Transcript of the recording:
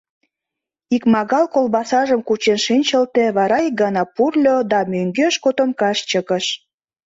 Икмагал колбасажым кучен шинчылте, вара ик гана пурльо да мӧҥгеш котомкаш чыкыш.